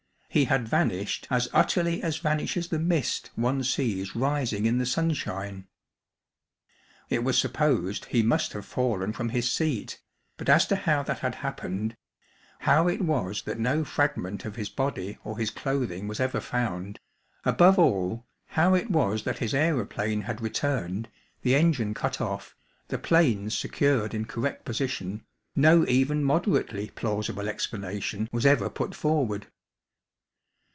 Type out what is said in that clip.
He had vanished as utterly as vanishes the mist one sees rising in the sunshine. It was supposed he must have fallen from his seat, but as to how that had happened, how it was that no fragment of his body or his clothing was ever found, above all, how it was that his aeroplane had returned, the engine cut off, the planes secured in correct position, no even moderately plausible explanation was ever put forward.